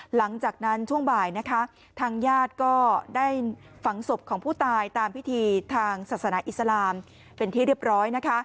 หลังจากนั้นช่วงบ่ายนะคะทางญาติก็ได้ฝังศพของผู้ตายตามพิธีทางศาสนาอิสลามเป็นที่เรียบร้อยนะคะ